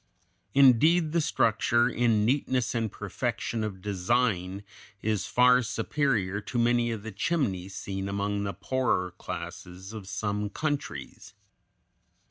Indeed, the structure, in neatness and perfection of design, is far superior to many of the chimneys seen among the poorer classes of some countries.